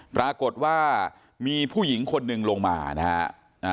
ปรากฏว่ามีผู้หญิงคนหนึ่งลงมานะฮะ